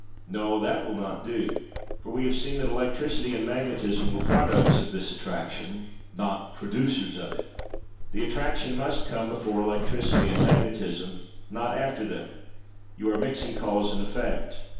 No, that will not do, for we have seen that Electricity and Magnetism were products of this Attraction, not producers of it—the Attraction must come before Electricity and Magnetism, not after them—you are mixing Cause and Effect.